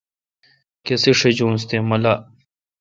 کسے شجونس تے مہ لاء۔